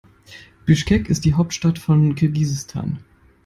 Bischkek ist die Hauptstadt von Kirgisistan.